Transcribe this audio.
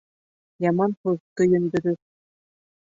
Яман һүҙ көйөндөрөр.